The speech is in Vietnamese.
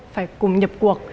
phải cùng nhập cuộc